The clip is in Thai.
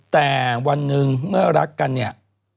แต่วันหนึ่งเมื่อรักกันเนี่ย